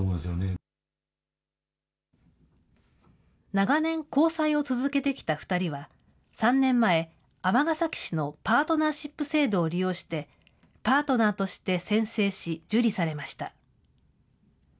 長年交際を続けてきた２人は、３年前、尼崎市のパートナーシップ制度を利用して、パートナーとして宣誓し、受理されました。